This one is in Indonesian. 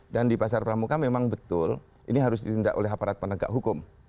dan di pasar pramuka memang betul ini harus ditindak oleh aparat penegak hukum